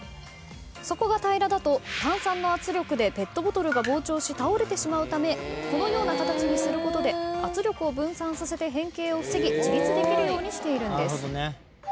底が平らだと炭酸の圧力でペットボトルが膨張し倒れてしまうためこのような形にすることで圧力を分散させて変形を防ぎ自立できるようにしているんです。